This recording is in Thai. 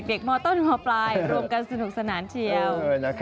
มต้นมปลายรวมกันสนุกสนานเชียว